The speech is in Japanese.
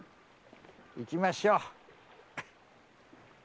行きましょう。